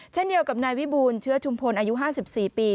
เช่นเดียวกับนายวิบูลเชื้อชุมพลอายุ๕๔ปี